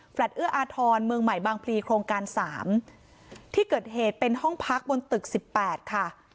เอื้ออาทรเมืองใหม่บางพลีโครงการสามที่เกิดเหตุเป็นห้องพักบนตึกสิบแปดค่ะ